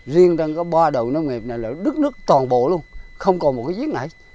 riêng trong có ba đội nông nghiệp này là đất nước toàn bộ luôn không còn một cái giếng này